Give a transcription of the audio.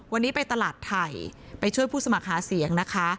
วันนี้ไปตลาดไทยไปช่วยผู้สมัครหาเสียงนะคะ